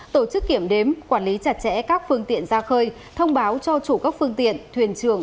tổ chức kiểm đếm quản lý chặt chẽ các phương tiện ra khơi thông báo cho chủ các phương tiện thuyền trường